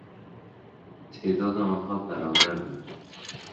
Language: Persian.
تعداد آنها برابر بود.